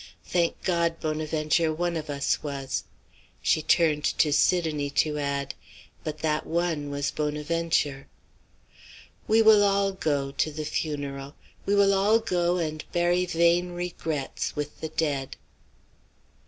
Thank God, Bonaventure, one of us was." She turned to Sidonie to add, "But that one was Bonaventure. We will all go" to the funeral "we will all go and bury vain regrets with the dead."